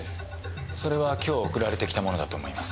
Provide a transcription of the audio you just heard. それは今日送られてきたものだと思います。